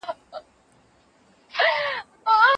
ولي ځیني خلګ د علمي حقایقو پر ځای خرافاتو ته ترجیح ورکوي؟